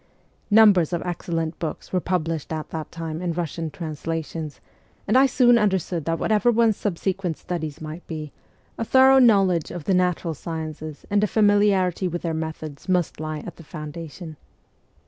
Numbers of excellent books were published at that time in Russian translations, and I soon understood that whatever one's subsequent studies might be, a thorough knowledge of the natural sciences and familiarity with their methods must lie at the foun dation.